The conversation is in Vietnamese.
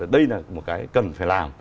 đây là một cái cần phải làm